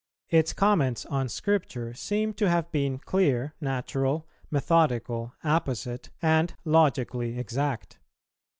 Its comments on Scripture seem to have been clear, natural, methodical, apposite, and logically exact.